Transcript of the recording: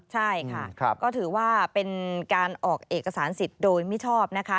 ใช่ค่ะก็ถือว่าเป็นการออกเอกสารสิทธิ์โดยมิชอบนะคะ